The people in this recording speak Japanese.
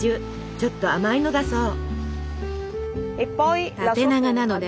ちょっと甘いのだそう。